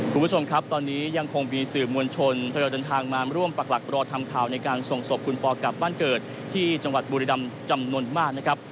คุณผู้ชมครับตอนนี้ยังคงมีสื่อมวลชนทยอยเดินทางมาร่วมปรักหลักรอทำข่าวในการส่งศพคุณปอกลับบ้านเกิดที่จังหวัดบุรีรำจำนวนมากนะครับ